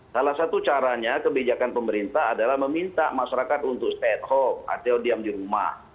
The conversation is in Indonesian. salah satu caranya kebijakan pemerintah adalah meminta masyarakat untuk stay at home atau diam di rumah